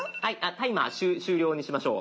タイマー終了にしましょう。